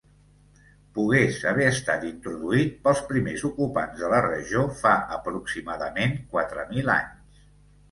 Pugues haver estat introduït pels primers ocupants de la regió fa aproximadament quatre mil anys.